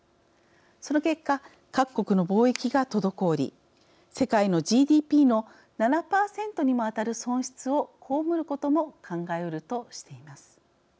その結果、各国の貿易が滞り世界のＧＤＰの７％にも当たる損失を被ることも考えうるとしています。